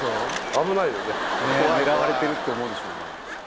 危ないよね狙われてるって思うでしょうね